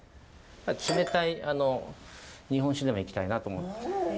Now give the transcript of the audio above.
冷たい日本酒でもいきたいなと思って。